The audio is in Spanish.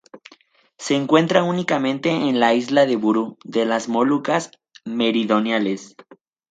Se encuentra únicamente en la isla de Buru, de las Molucas meridionales.